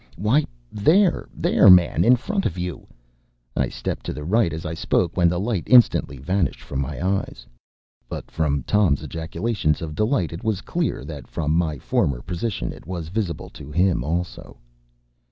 “Why, there, there, man, in front of you!” I stepped to the right as I spoke, when the light instantly vanished from my eyes. But from Tom’s ejaculations of delight it was clear that from my former position it was visible to him also.